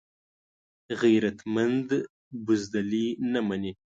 غیرتمند بزدلي نه مني